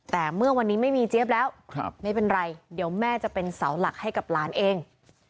แต่เมื่อวันนี้ไม่มีเจี๊ยบแล้วไม่เป็นไรเดี๋ยวแม่จะเป็นเสาหลักให้กับหลานเอง